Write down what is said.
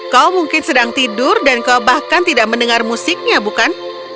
kau mungkin sedang tidur dan kau bahkan tidak mendengar musiknya bukan